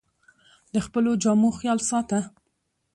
د خپلو جامو خیال ساته